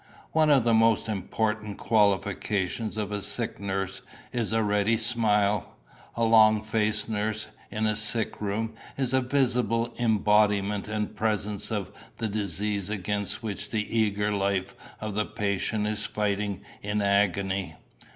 One of the most important qualifications of a sick nurse is a ready smile. A long faced nurse in a sickroom is a visible embodiment and presence of the disease against which the eager life of the patient is fighting in agony.